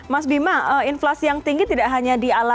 mas bima inflasi yang tinggi tidak hanya untuk barang barang